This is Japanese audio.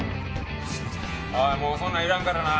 もうそんなんいらんからな。